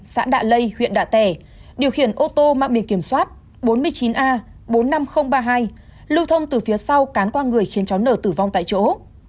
xã đạ lây huyện đạ tẻ điều khiển ô tô mạng biển kiểm soát bốn mươi chín a bốn mươi năm nghìn ba mươi hai lưu thông từ phía sau cán qua người khiến cháu nở tử vong tại chỗ